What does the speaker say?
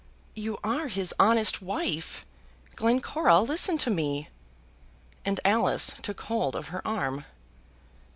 "You are his honest wife. Glencora, listen to me." And Alice took hold of her arm.